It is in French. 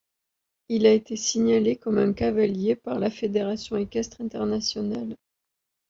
Il a été signalé comme un cavalier par la Fédération équestre internationale.